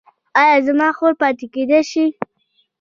ایا زما خور پاتې کیدی شي؟